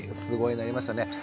すごいなりましたね。